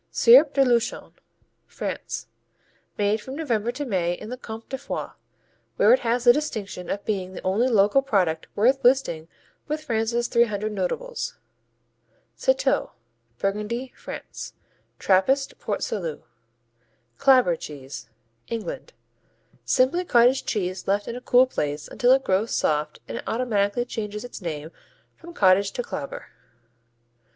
Cierp de Luchon France Made from November to May in the Comté de Foix, where it has the distinction of being the only local product worth listing with France's three hundred notables. Citeaux Burgundy, France Trappist Port Salut. Clabber cheese England Simply cottage cheese left in a cool place until it grows soft and automatically changes its name from cottage to clabber.